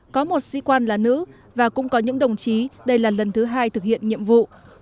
có một sĩ quan là nữ và cũng có những đồng chí đây là lần thứ hai thực hiện nhiệm vụ